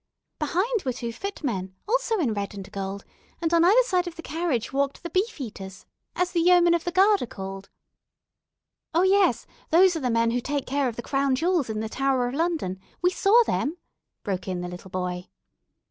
Behind were two footmen, also in red and gold, and on either side of the carriage walked the 'Beefeaters,' as the Yeomen of the Guard are called." "Oh, those are the men who take care of the Crown Jewels in the Tower of London. We saw them," broke in the little boy.